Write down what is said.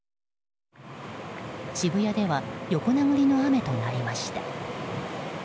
渋谷では横殴りの雨となりました。